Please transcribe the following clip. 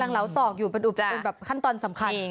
เหลาตอกอยู่เป็นขั้นตอนสำคัญ